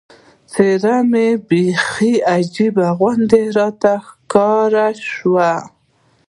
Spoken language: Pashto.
څېره مې بیخي عجیبه غوندې راته ښکاره شوه.